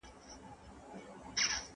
کېدای سي مرسته ناکامه وي!!